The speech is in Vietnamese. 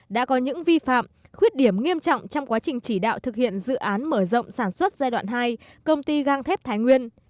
đã có những vi phạm khuyết điểm nghiêm trọng trong quá trình chỉ đạo thực hiện dự án mở rộng sản xuất giai đoạn hai công ty gang thép thái nguyên